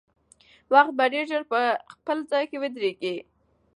وخت به ډېر ژر په خپل ځای کې ودرېږي.